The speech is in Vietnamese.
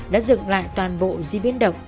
đã dựng lại toàn bộ di biến độc